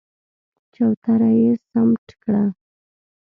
چوتره يې سمټ کړه.